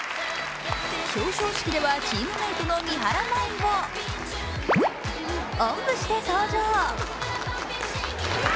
表彰式ではチームメートの三原舞依をおんぶして登場。